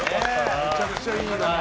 めちゃくちゃいいな。